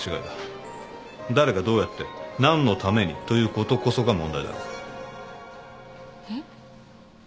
誰がどうやって何のためにということこそが問題だろう。えっ？